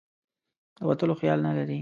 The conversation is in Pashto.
د وتلو خیال نه لري.